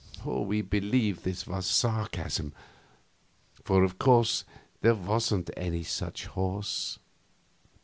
We believed this was sarcasm, for of course there wasn't any such horse.